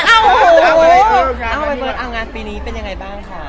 เอาใบเบิร์ดเอางานปีนี้เป็นยังไงบ้างค่ะ